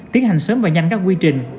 tiến hành sớm và nhanh các quy trình